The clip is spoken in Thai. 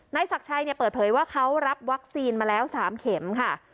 ศักดิ์ชัยเปิดเผยว่าเขารับวัคซีนมาแล้ว๓เข็มค่ะ